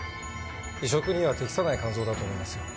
移植には適さない肝臓だと思いますよ。